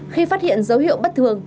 khi phát hiện dấu hiệu bất thường